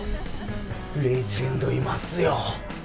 レジェンドいますよ。